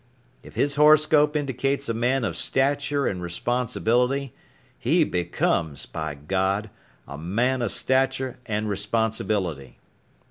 If his horoscope indicates a man of stature and responsibility, he becomes, by God, a man of stature and responsibility.